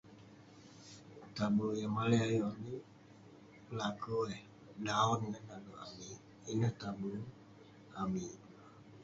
Taber yah malai ayuk amik, laker eh daon eh nale'erk amik. Ineh taber amik.